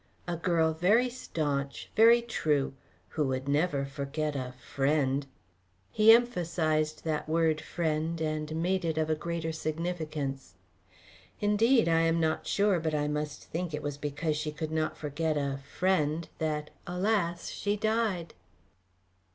"A girl very staunch, very true, who would never forget a friend." He emphasised that word "friend" and made it of a greater significance. "Indeed, I am not sure, but I must think it was because she could not forget a friend that, alas! she died."